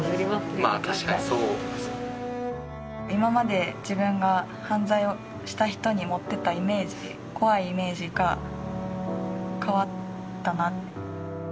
まあ確かにそうです。今まで自分が犯罪をした人に持ってたイメージ怖いイメージが変わったなって。